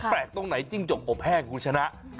ตรงไหนจิ้งจกอบแห้งคุณชนะ